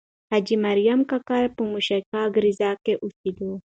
حاجي مریم اکا په موشک کارېز کې اوسېده.